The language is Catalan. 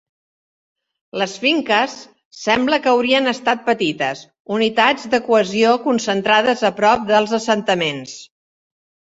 Les finques sembla que haurien estat petites, unitats de cohesió, concentrades a prop dels assentaments.